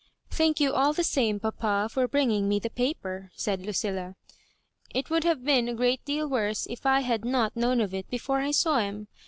" Thank you all the same, papa, for bringing me the paper," said Lucilla. " It would have been a great deal worse if I had not known of it before I saw him.